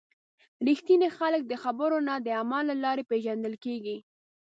رښتیني خلک د خبرو نه، د عمل له لارې پیژندل کېږي.